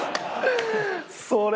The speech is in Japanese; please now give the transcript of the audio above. それ。